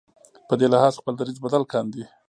په دې لحاظ خپل دریځ بدل کاندي.